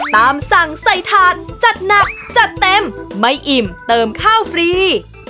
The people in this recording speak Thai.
ตามสั่งใส่ถาดจัดหนักจัดเต็มไม่อิ่มเติมข้าวฟรี